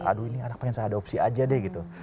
aduh ini anak pengen saya adopsi aja deh gitu